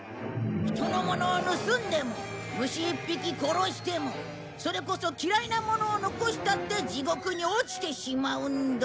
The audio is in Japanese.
人のものを盗んでも虫一匹殺してもそれこそ嫌いなものを残したって地獄に落ちてしまうんだ。